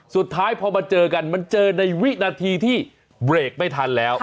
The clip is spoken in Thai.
สุดท้ายพอมาเจอกันมันเจอในวินาทีที่เบรกไม่ทันแล้ว